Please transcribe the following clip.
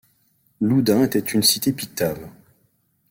Loudun était une cité pictave.